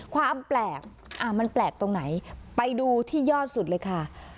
ความแปลกมันแปลกตรงไหนไปดูที่ยอดสุดเลยค่ะ